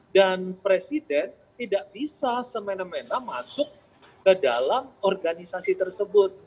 dan presiden tidak bisa semena mena masuk ke dalam organisasi tersebut